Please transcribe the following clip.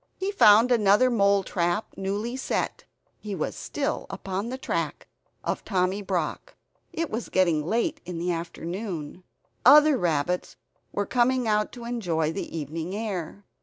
He found another mole trap newly set; he was still upon the track of Tommy Brock. It was getting late in the afternoon. Other rabbits were coming out to enjoy the evening air.